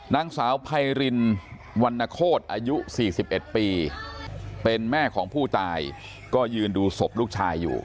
นางสาวไพรินวรรณโคตรอายุ๔๑ปีเป็นแม่ของผู้ตายก็ยืนดูศพลูกชายอยู่